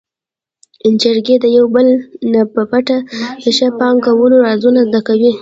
چرګې د يو بل نه په پټه د ښه بانګ کولو رازونه زده کول.